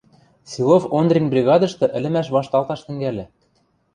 Силов Ондрин бригадышты ӹлӹмӓш вашталташ тӹнгӓльӹ.